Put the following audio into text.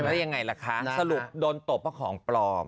แล้วยังไงล่ะคะสรุปโดนตบเพราะของปลอม